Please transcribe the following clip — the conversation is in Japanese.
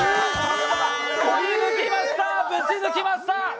追い抜きました、ぶち抜きました！